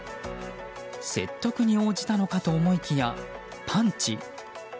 説得に応じたのかと思いきやパンチ。